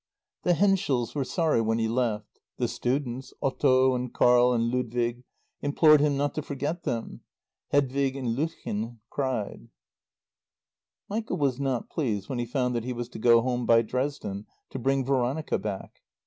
The Henschels were sorry when he left. The students, Otto and Carl and Ludwig, implored him not to forget them. Hedwig and Löttchen cried. Michael was not pleased when he found that he was to go home by Dresden to bring Veronica back.